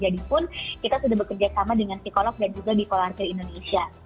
jadipun kita sudah bekerja sama dengan psikolog dan juga bipolar care indonesia